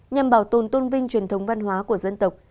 nhằm bảo tồn tôn vinh truyền thống văn hóa của dân tộc